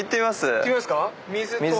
行ってみますか。